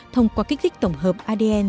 thông qua kích thích tổng hợp adn